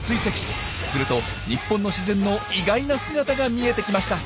すると日本の自然の意外な姿が見えてきました！